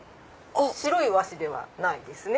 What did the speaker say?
白い和紙ではないですね。